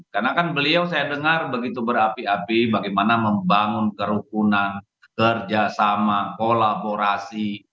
karena kan beliau saya dengar begitu berapi api bagaimana membangun kerukunan kerjasama kolaborasi